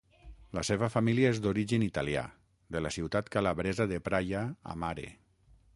La seva família és d'origen italià, de la ciutat calabresa de Praia a Mare.